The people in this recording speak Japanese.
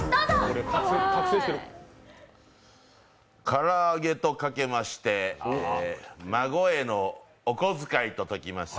から揚げとかけまして孫へのお小遣いと解きます。